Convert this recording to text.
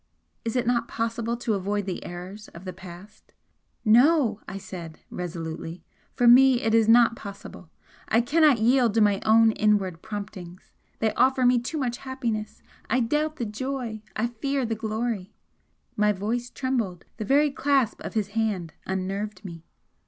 Is it not possible to avoid the errors of the past?" "No!" I said, resolutely "For me it is not possible! I cannot yield to my own inward promptings. They offer me too much happiness! I doubt the joy, I fear the glory!" My voice trembled the very clasp of his hand unnerved me.